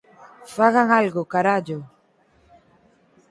Fagan algo, carallo!